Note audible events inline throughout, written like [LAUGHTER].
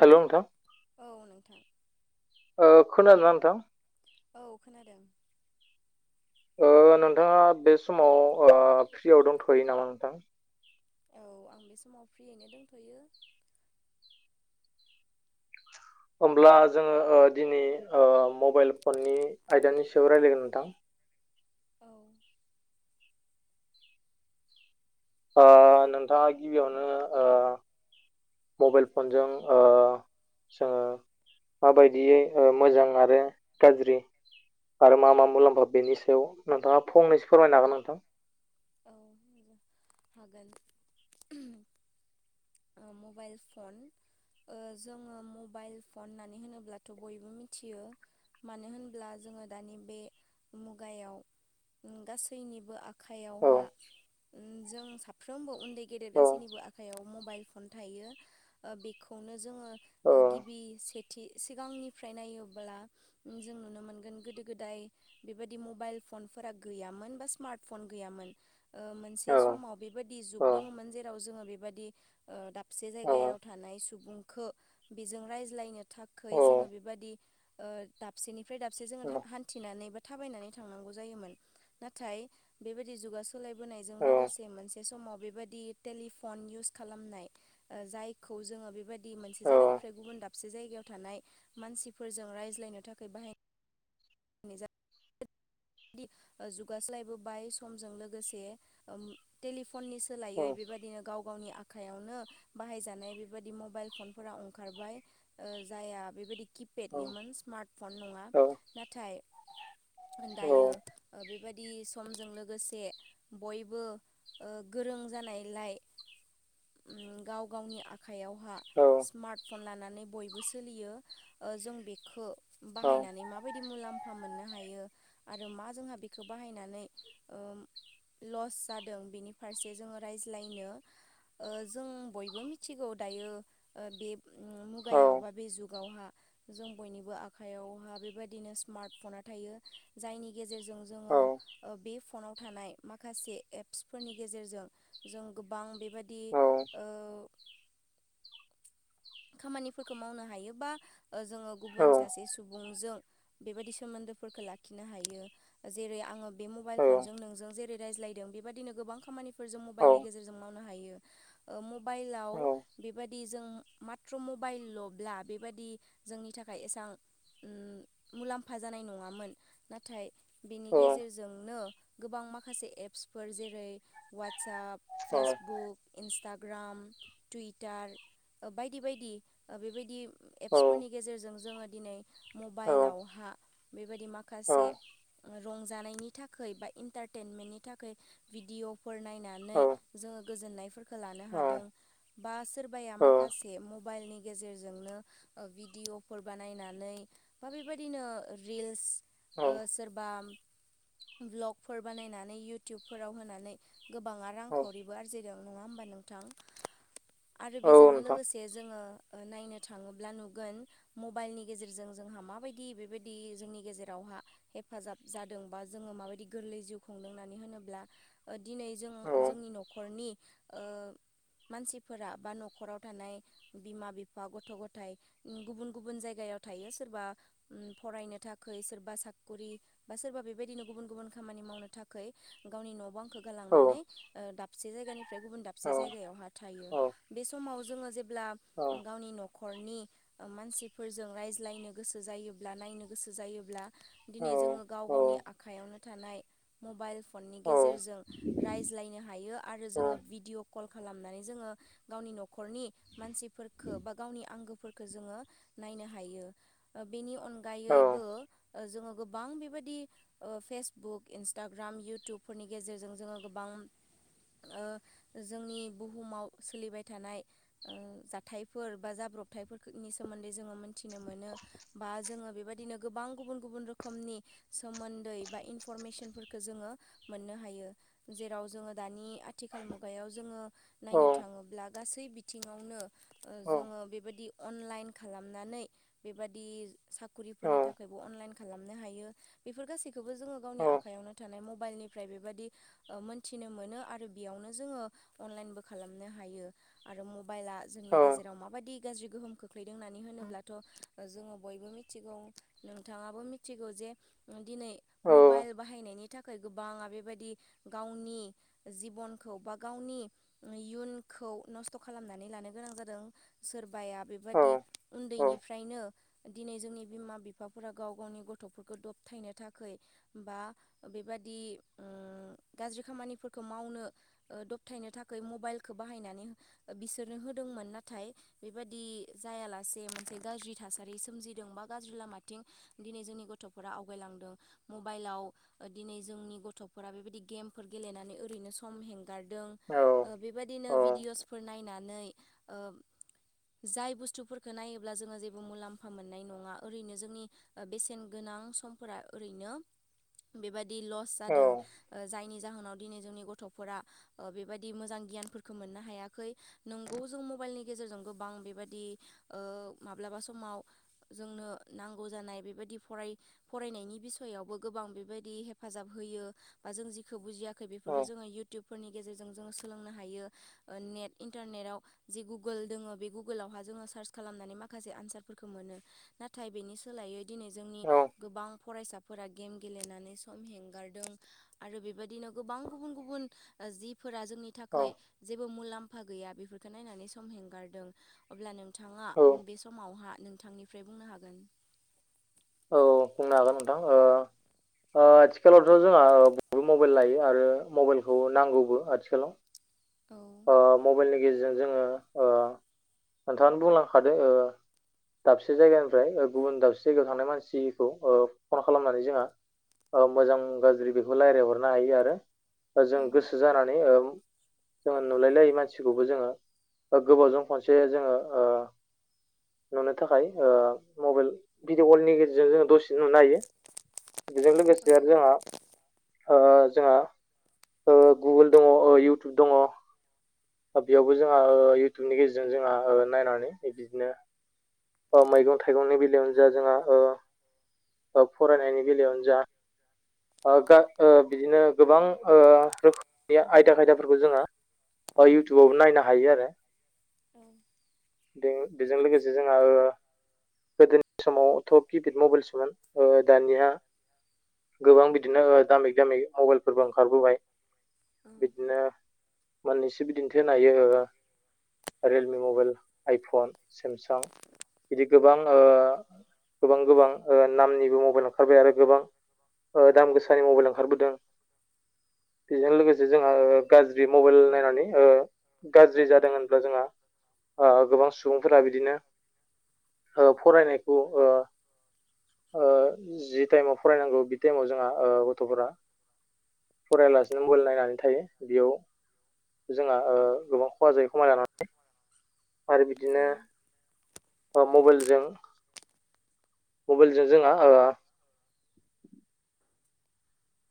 हेल' नोंथां औ नोंथां। ओ खोनादोंना नोंथां? औ खोनादों। ओ नोंथाङा बे समाव ओ फ्रियाव दंथयो नामा नोंथां? औ आं बे समाव फ्रियैनो दोंथयो। होमब्ला जोङो ओ दिनै ओ मबाइल फननि आयदानि सायाव रायज्लायगोन नोंथां। औ। ओ नोंथाङा गिबियावनो ओ मबाइल फनजों ओ जोङो माबायदियै ओ मोजां आरो गाज्रि आरो मा मा मुलाम्फा बेनि सायाव नोंथाङा फंनैसो फोरमायनो हागोन नोंथां? औ [INAUDIBLE] हागोन ओ मबाइल फन जोङो मबाइल फन होननानै होनोब्लाथ बयबो मिथियो। मानो होनब्ला जोङो दानि बे मुगायाव गासैनिबो आखाइ औ हा। जों साफ्रोमबो उन्दै गेदेर औ गासैनिबो आखायाव मबाइल फन थायो ओ बेखौनो औ जोंङो गिबि सेथि सिगांनिफ्राय नायोब्ला जों नुनो मोनगोन गोदो गोदाय बेबायदि मबाइल फनफोरा गैयामोन बा स्मार्ट फन गैयामोन। ओ औ मोनसे समाव बे। बेबादि औ दंमोन जेराव जों बेबायदि ओ दाबसे औ जायगायाव थानाय सुबुंखो बेजों रायज्लायनो थाखै जोङो बेबादि दाबसेनिफ्राय दाबसे जोङो औ हान्थिनानै थायनानै थांनांगौ जोयोमोन नाथाय बेबायदि जुगा सो सोलायबोनायजों औ लोगोसे मोनसे समाव बेबायदि टेलिफन इउस खालामनाय जायखौ जोङो बेबायदि दि मोनसे जायगानिफ्राय गुबुन दाबसे जायगायाव थानाय मानसिफोरजों रायज्लायनो थाखाय बाहायनाय। निजा बेदि जुगासोलायबोबाय समजों लोगोसे टेलि फननि सोलायै बेबायदिनो गाव गावनि आ आखनो बाहाय जानाय बेबायदि मबाइल फनफोरा ओंखारबाय ओ जाया बेबायदि किफ औ पेटनिमोन स्मार्ट फन नङा औ नाथाय ओन औ दायो ओ बेबायदि समजों लोगोसे बयबो ओ गोरों जानाय लाइ। [INAUDIBLE] गाव गावनि आखयावहा औ स्मार्ट फन लानानै बयबो सोलियो ओ जों बेखो बाहायनानै मा बाय दि मुलाम्फा मोननो हायो आरो मा जोंहा बेखो बाहायनानैओ लस जादों बेनि फारसे जोङो रायज्लायनो। ओ जों बयबो मिथिगौ दायो ओ बे औ मुगायाव बा बे जुगावहा जों बयनिबो आखयावहा बेबायदिनो स्मार्टफना थायो जायनि गेजेरजों औ जोङो। ओ बे फनाव थानाय माखासे एप्सफोरनि गेजेरजों जों गोबां बेबादि औ ओ। खामानिफोरखौ मावनो हायोबा जोङो औ गुबुन सासे सुबुंजों बेबायाददि सोमोन दो फोरखो लाखिनो हायो जेरै आङो बे औ मबाइल फनजों नोंजों जेरै रायज्लायदों बेबायाददिनो गोबां खामानिफोरजों औ मबाइलनि गेजेरजों मावनो हायो मबाइलाव औ बेबादि जों। माथ्र मबाइल लब्ला बेबादि जोंनि थाखाय एसेबां मुलाम्फा जानाय नङामोन नाथाय औ बेनि गेजेरजोंनो गोबां माखासे एप्सफोर जेरै वाटसाप फेसबुक इन्सटाग्राम टुइटार बायदि बायदि बेबायदि एप्सफोरनि गेजेरजों जोङो दिनै मबाइलावहा बेबायदि माखासे रंजानायनि थाखाय बा इन्टारटेनमेन्टनि थाखाय भिडिअफोर नायनानै जों जोङो गोजोननायफोरखौ लानो हादों बा सोरबाया मा खासे मबाइलनि गेजेरजोंनो ओ भिडिअफोर बानायनानै बा बेबायदिनो रिल्स ओ औ सोरबा [INAUDIBLE] ब्लकफोर बानायनानै उटुबफोराव होनानै गोबाङा रांखावरिबो आरजिदों नङा होमबा नों थां आरो औ बे जोंनो नोंथां लोगोसे जोङो नायनो थाङोब्ला नुगोन मबाइलनि गेजेरजों जोंहा माबायदि बेबायदि जोंनि गेजेरावहा हेफाजाब जादों बा जोङो माबायदि गोरलै जिउ खुंदों होननानै होनोब्ला ओ दिनै जों औ जोंनि नखरनि ओ मानसिफोरा बा नखराव थानाय बिमा बिफा गथ गथाय ओ गुबुन गुबुन जायगायाव थायो सोरबा फरायनो थाखै सोरबा साखरि बा सोरबा बेबायदिनो गुबुन गुबुन खामानि मावनो थाखै गावनि न बांखो औ गालांनानै ओ दाबसे जायगानिफ्राय गुबुन औ दाबसे जायगायावहा थायो बे समाव जोंङो जेब्ला औ गावनि नखरनि ओ मानसिफोरजों रायज्लायनो गोसो जा जायोब्ला नायनो गोसो जायोब्ला औ दिनै जोंङो गाव गावनि आखायावनो थानाय मबाइल फननि गेजेरजों रायज्लायनो हायो औ आरो जोंङो भिडिअ कल खालामनानै जोंङो गावनि नखरनि मानसिफोरखो बा गावनि आंगोफोरखो जोंङो नायनो हायो बेनि अनगायैबो ओ जोंङो गोबां बेबायदि ओ फेसबुक इन्सटाग्राम इउटुबफोरनि गेजेरजों जोंङो गोबां ओ जोंनि बुहुमाव सोलिबाय थानाय ओ जाथायफोर बा जाब्रबथायफोरखो नि सोमोन्दै जोङो मोनथिनो मोनो बा बा जोंङो बेबायदिनो गोबां गुबुन गुबुन रोखोमनि सोमोन्दै बा इनफरमेसनफोरखौ जोंङो मोननो हायो जेराव जोंङो दानि आथिखाल मुगायाव जोंङो नायनो थाङोब्ला गासै बिथिङावनो ओ जोंङो बेबायदि अनलाइन खालामनानै बेबादि साखरिफोरनि थाखायबो अनलाइन खालामनो हायो बेफोर गासैखोबो जोंङो गावनि आखायावनो थानाय मबाइल निफ्राय बेबायदि ओ मोनथिनो मोनो आरो बेयावनो जोंङो अनलाइनबो खालामनो हायो। आरो मबाइला औ जोंनि औ गेजेराव माबादि गाज्रि गोहोम खोख्लैदों होननानै होनोब्लाथ जोंङो बयबो मिथिगौ नोंथाङाबो मिथिगौ दिनै मबाइल बाहायनायनि थाखाय गोबाङा बेबायदि गावनि जिबनखौ बा गावनि इयुनखौ नस्थ खालामनानै लानो गोनां जादों सोरबाया बेबादि उन्दैनिफ्रायनो दिनै जोंनि बिमा बिफाफोरा गाव गावनि गथफोरखौ दबथायनो थाखाय बा बेबादि ओ गाज्रि खामानिफोरखौ मावनो ओ दबथायनो थाखाय मबाइलखौ बाहायनानै ओ बिसोरनो होदोंमोन नाथाय बेबादि जायालासे मोनसे गाज्रि थासारि सोमजि दोंबा गाज्रि लामाथिं दिनै जोंनि गथफोरा आवगायलांदों मबाइलाव दिनै जोंनि गथफोरा बेबायदि गेमफोर गेलेनानै ओरैनो सम हेंगारदों ओ बेबायदिनो भिडिअस नायनानै ओ जाय बुस्थुफोरखौ नायोब्ला जोंङो जेबो मुलाम्फा मोन्नाय नङा ओरैनो जोंनि ओ बेसेन गोनां नां समफोरा ओरैनो बेबादि लस जादों ओ जायनि जाहोनाव दिनै जोंनि गथफोरा ओ बेबायदि मोजां गियानफोरखौ मोननो हाया खै नोंगौ जों मबाइलनि गेजेरजों गोबां बेबादि ओ माब्लाबा समाव जोंनो नांगौ जानाय बेबायदि फराय फरायनायनि बिसयावबो गोबां बेबायदि हेफाजाब हो यो बा जों जिखौ बुजियाखै बेफोरफोरखौ जोंङो इउटुबफोरनि गेजेरजों जोंङो सोलोंनो हायो। नेट इन्टारनेटाव जि गुगोल दोङो बे गुगोलावहा जोङो सार्च खालामनानै माखासे आनसारफोरखौ मोन नो नाथाय बेनि सोलायै दिनै जोंनि गोबां फरायसा फोरा गेम गेलेनानै सम हेंगारदों आरो बेबादिनो गोबां गुबुन गुबुन ओ जिब फोरा जोंनि थाखै बो मुलाम्फा गैया बेफोरखौ नायनानै सम हेंगारदों अब्ला नोंथाङा बे समावहा नों थांनिफ्राय बुंनो हागोन औ बुंनो हागोन नोंथां ओ ओ आथिखालावथ जोंहा बयबो मबाइल लायो आरो मबाइलखौ नांगौबो आथिखालाव औ ओ मबाइलनि गेजेरजों जोंङो ओ नोंथाङानो बुंलांखादों ओ दाबसे जायगानिफ्राय ओ गुबुन दाबसे जायगायाव थांनाय मानसिखौ ओ फन खालामनानै जोंहा ओ मोजां गाज्रि बेखौ रायज्लायहरनो हायो आरो जों औ गोसो जानानै ओ जोंङो नुलायलायै मानसिखौबो जोंङो ओ गोबावजों खनसे जोंङो ओ नुनो थाखाय ओ मबाइल भिडिअ' कलनि गेजेरजों जोंङो दसेनो नुनो हायो बेजों लोगोसे आरो जोंहा ओ जोंहा गुगोल दङ इउटुब दङ बेयावबो जोंहा इयउटुबनि गेजेरजों जोंहा नायनानै बिदिनो मैगं थाइगंनि बेलायावनो जा जोंहा ओ औ फरायनायनि बेलायावनो जा। ओ ओ बिदिनो गोबां ओ रोखोमनि आयदा खायदा। फोर जोङो इउटुबावबो नायनो हायो आरो। औ बेजों लोगोसे जोंहा ओ गोदोनि समावथ' किपिड मबाइलसोमोन दानिया। गोबां बिदिनो दामि दामि मबाइलफोरबो ओंखारबोबाय औ बि मोननैसो बिदिन्थि होनो हायो ओ रियेलमि मबाइल आइफन सेमसां बिदि गोबां ओ गोबां गोबां ओ नामनिबो मबाइल ओंखारबाय आरो गोबां ओ दाम गोसानि मबाइल ओंखारबोदों बेजों लोगोसे। जोंहा ओ गाज्रि मबाइल नायनानै ओ गाज्रि जादों होनब्ला जोंहा आ गोबां सुबुंफोरा बिदिनो ओ फरायनायखौ ओ ओ जि टाइमाव फरायनांगौ बि टाइमाव जोंहा ओ गथ'फोरा फरायालासेनो मबाइल नायनाय थायो बेयाव जोंहा ओ गोबां खहा जायो खमाय लानानै आरो बिदिनो औ मबाइलजों मबाइलजों जोंहा ओ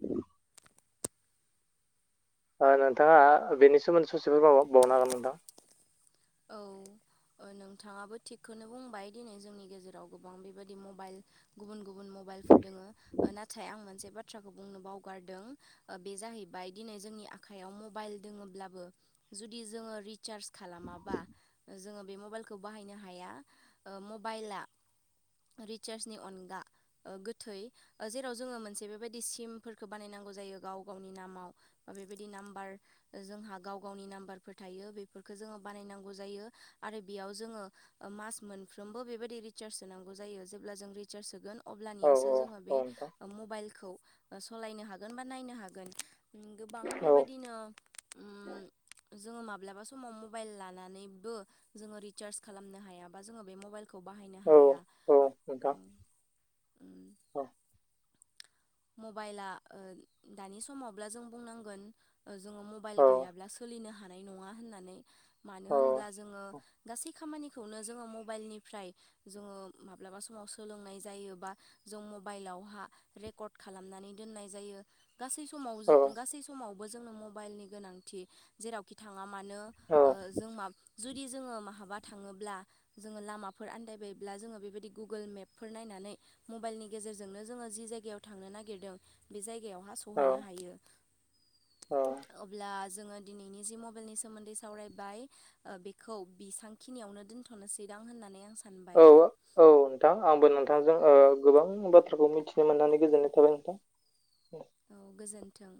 औ आ नोंथाङा बेनि सोमोन्दै ससेल माबा बावनो हागोन नोंथां। औ नोंथाङाबो थिगखौनो बुंबाय दिनै जोंनि गेजेराव गोबां बेबायदि मबाइल गुबुन गुबुन म बाइलफोर दोङो नाथाय आं मोनसे बाथ्राखौ बुंनो बावगारदो ओ बे जाहैबाय दिनै जोंनि आखायाव मबाइल दोङोब्लाबो जुदि जोङो रिसार्ज खालामा बा जोङो बे मबाइलखौ बाहायनो हाया ओ मबाइला रिचार्जनि अनगा गोथै जेराव जोङो मोनसे बेबायदि सिमफोरखौ बानायना नांगौ जायो गाव गावनि नामाव अ बेबायदि नाम्बार जों हा गाव गावनि नाम्बारफोर थायो बेफोरखौ जोङो बानाय नांगोन जायो आरो बेयाव जोङो ओ मास मोनफ्रबो बेबायदि रिचार्ज होनांगौ जायो। जेब्ला जों रिसार्ज होगोन। औ अब्लानियासो जोङो बे औ नोंथां मबाइलखौ सालायनो हागोन बा नायनो हागोन। गोबां औ बेबायदिनो उम जोङो माब्लाबा समाव मबाइल लानानैबो जोङो रिसार्ज खालामनो हायाबा जोङो बे मबाइलखौ खौ बाहायनो औ हाया। औ नोंथां औ मबाइला ओ दानि समावब्ला जों बुंनांगोन। जोङो मबाइल औ गैयाब्ला सोलिनो हा हानाय नङा होननानै मानो औ होनब्ला जोङो औ गासै खामानिखौनो जोङो मबाइलनिफ्राय जोङो माब्लाबा समाव सोलोंनाय जायोबा जों मबाइलावहा रेकर्ड खालामनानै दोननाय जायो गासै समाव औ जो गासै समाव बो जोंनो मबाइलनि गोनांथि जेरावखि थाङा मानो औ ओ जों मा जुदि जोङो महाबा थाङोब्ला जोङो लामाफोर आन्दायबायोब्ला जोङो बेबायदि गुगोल मेपफोर नायना नै मबाइलनि गेजेरजोंनो जोङो जि जायगायाव थांनो नागिरदों बे जाय गायावहा औ सहैनो हायो अब्ला जोङो दिनैनि जि मबाइलनि सोमोन्दै सावरायबाय ओ बिखौ बिसांखिनियावनो दोन्थ'नोसैदां होननानै आं सान औ -औ नोंथां आंबो नोंथांजों। ओ गोबां बाथ्राखौ मिथिनो मोननानै गोजोननाय थाबाय नोंथां। औ गोजोन्थों